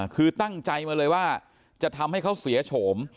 คือตั้งใจมาเลยว่าจะทำให้เขาเสียโฉม